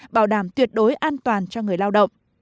bảo đảm tuyệt đối an toàn cho người lao động